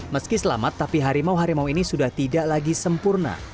meski selamat tapi harimau harimau ini sudah tidak lagi sempurna